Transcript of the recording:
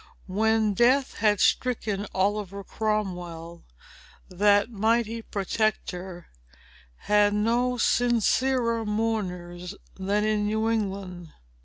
When death had stricken Oliver Cromwell, that mighty protector had no sincerer mourners than in New England.